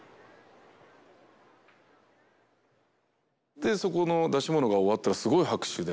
でそこの出し物が終わったらすごい拍手で。